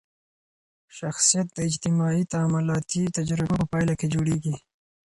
شخصیت د اجتماعي تعاملاتي تجربو په پایله کي جوړېږي.